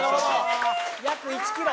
約１ｋｇ。